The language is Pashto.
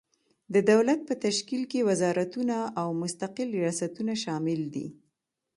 د دولت په تشکیل کې وزارتونه او مستقل ریاستونه شامل دي.